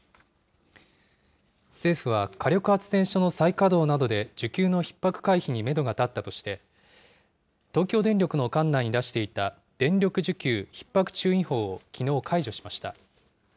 政府は火力発電所の再稼働などで需給のひっ迫回避にメドが立ったとして、東京電力の管内に出していた電力需給ひっ迫注意報をきのう解除しました。